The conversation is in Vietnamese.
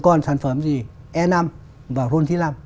còn sản phẩm gì e năm và ron chín mươi năm